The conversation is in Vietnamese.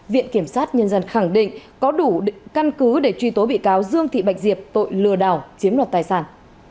viện kiểm sát nhân dân khẳng định có đủ căn cứ để truy tố bị cáo dương thị bạch diệp tội lừa đảo chiếm đoạt tài sản